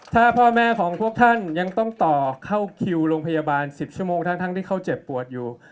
ถ้าพ่อแม่ของพวกท่านยังต้องต่อเข้าคิวโรงพยาบาล๑๐ชั่วโมงทั้งที่เขาเจ็บปวดอยู่